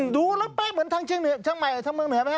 ดูแล้วแป่งเหมือนทางเชียงใหม่